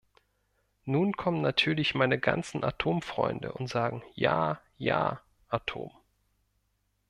Nun kommen natürlich meine ganzen Atomfreunde und sagen, ja, ja, Atom.